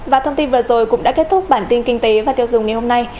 và thông tin vừa rồi cũng đã kết thúc bản tin kinh tế và tiêu dùng ngày hôm nay